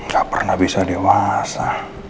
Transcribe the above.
gak pernah bisa dewasa